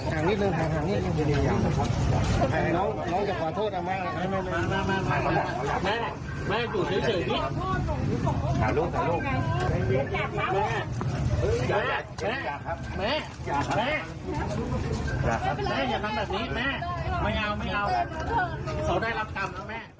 หลังนิดหนึ่งหลังนิดหนึ่งหลังนิดหนึ่ง